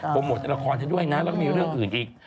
โมทในละครเธอด้วยนะแล้วก็มีเรื่องอื่นอีก